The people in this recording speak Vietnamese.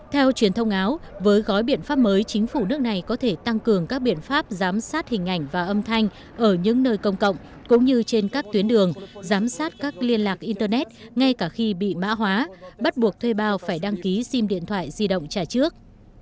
theo truyền thông áo với gói biện pháp mới chính phủ nước này có thể tăng cường các biện pháp giám sát hình ảnh và âm thanh ở những nơi công cộng cũng như trên các tuyến đường giám sát các liên lạc internet ngay cả khi bị mã hóa bắt buộc thuê bao phải đăng ký sim điện thoại di động trả trước